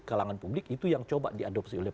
kalangan publik itu yang coba diadopsi oleh